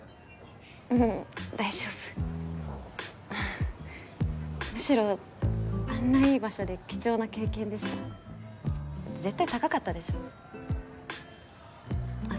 ううん大丈夫むしろあんないい場所で貴重な経験でした絶対高かったでしょあっ